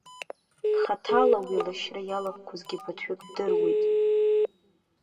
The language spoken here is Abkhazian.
Хаҭала уи лышьра иалахәқәазгьы ԥыҭҩык бдыруеит.